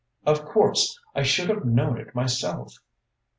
Of course! I should have known it myself."